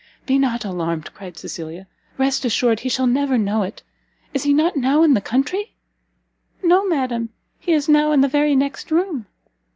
"Be not alarmed," cried Cecilia; "rest assured he shall never know it. Is he not now in the country?" "No, madam, he is now in the very next room."